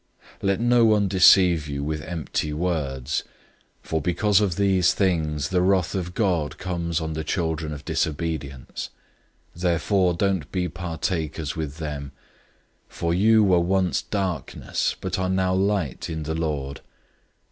005:006 Let no one deceive you with empty words. For because of these things, the wrath of God comes on the children of disobedience. 005:007 Therefore don't be partakers with them. 005:008 For you were once darkness, but are now light in the Lord.